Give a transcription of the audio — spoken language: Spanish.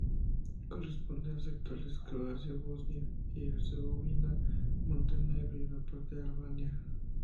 Corresponde a las actuales Croacia, Bosnia y Herzegovina, Montenegro y una parte de Albania.